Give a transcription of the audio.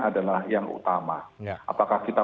adalah yang utama apakah kita